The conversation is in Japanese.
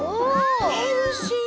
ヘルシー。